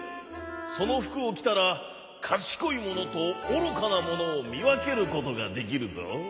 そのふくをきたらかしこいものとおろかなものをみわけることができるぞ。